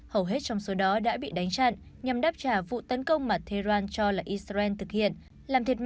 hầu hết trong số đó đã bị đánh chặn nhằm đáp trả vụ tấn công mà thê ran cho là israel